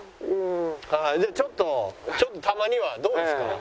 ちょっとちょっとたまにはどうですか？